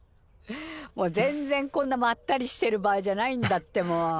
もう全然こんなまったりしてる場合じゃないんだってもう。